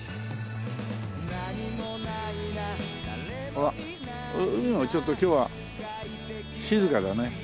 ほら海もちょっと今日は静かだね。